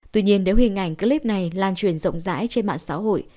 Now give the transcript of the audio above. tuy nhiên nếu hình ảnh clip này lan truyền rộng rãi trên mạng xã hội